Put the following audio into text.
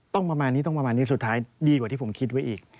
ประมาณนี้ต้องประมาณนี้สุดท้ายดีกว่าที่ผมคิดไว้อีก